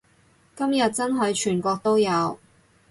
今日真係全國都有